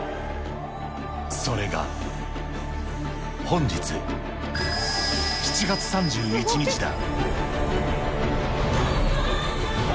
それが、本日７月３１日だ。